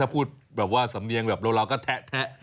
ถ้าพูดแบบว่าสำเนียงโลเลอก็แทะแทะ